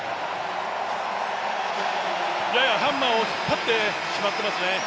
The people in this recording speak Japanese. ややハンマーを引っ張ってしまっていますね。